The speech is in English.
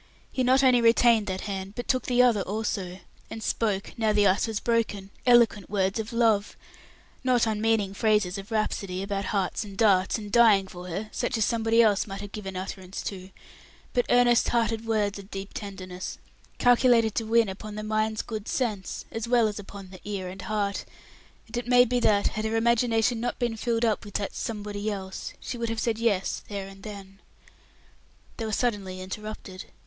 He not only retained that hand, but took the other also, and spoke, now the ice was broken, eloquent words of love. Not unmeaning phrases of rhapsody, about hearts and darts and dying for her, such as somebody else might have given utterance to, but earnest hearted words of deep tenderness, calculated to win upon the mind's good sense, as well as upon the ear and heart; and it may be that, had her imagination not been filled up with that "somebody else," she would have said "Yes," there and then. They were suddenly interrupted.